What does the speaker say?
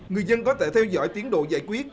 người dân có thể theo dõi tiến độ giải quyết